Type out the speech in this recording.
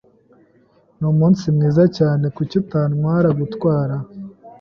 Numunsi mwiza cyane. Kuki utantwara gutwara?